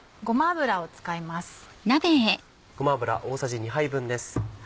ごま油を使います。